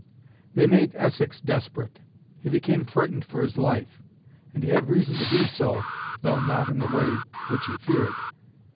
They made Essex desperate; he became frightened for his life, and he had reason to be so, though not in the way which he feared.